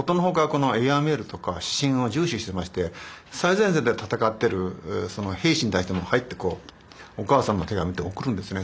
このエアメールとか私信を重視してまして最前線で戦ってる兵士に対してもはいってこうお母さんの手紙とか送るんですね。